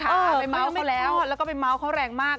ไปเมาส์เขาแล้วแล้วก็ไปเมาส์เขาแรงมาก